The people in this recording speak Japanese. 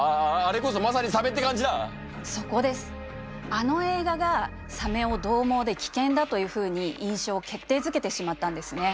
あの映画がサメをどう猛で危険だというふうに印象を決定づけてしまったんですね。